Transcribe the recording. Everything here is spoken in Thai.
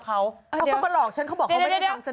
เขาก็แปลว่าพูดลองผู้ชมซังแน่